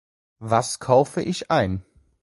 Was kaufe ich ein?